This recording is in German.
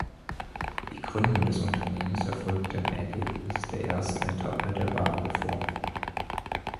Die Gründung des Unternehmens erfolgte im Ergebnis der ersten Etappe der Bahnreform.